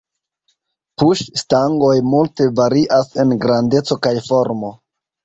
Puŝ-stangoj multe varias en grandeco kaj formo.